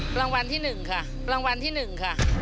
พรางวัลที่๑ค่ะ